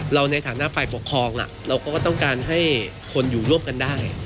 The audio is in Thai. ในฐานะฝ่ายปกครองล่ะเราก็ต้องการให้คนอยู่ร่วมกันได้